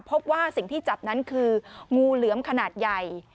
พบว่าสิ่งที่จับนั้นคืองูเหลือมขนาดใหญ่